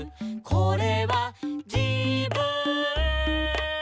「これはじぶん」